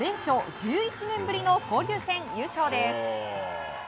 １１年ぶりの交流戦優勝です。